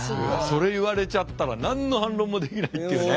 それ言われちゃったら何の反論もできないっていうね。